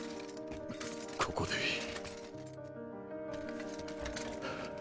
ここでいい。